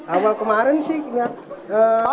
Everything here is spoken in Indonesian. awal kemarin sih